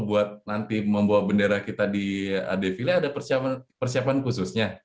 buat nanti membawa bendera kita di ade fili ada persiapan khususnya